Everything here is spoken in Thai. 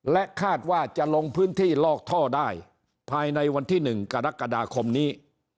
และคาดว่าจะลงพื้นที่ลอกท่อได้ภายในวันที่๑กรกฎาคมนี้